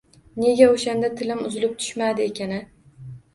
Nega oʻshanda tilim uzilib tushmadi ekan-a!